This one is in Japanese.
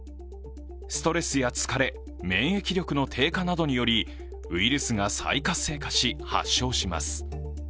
ストレスや疲れ、免疫力の低下などによりウイルスが再活性化し、発症します。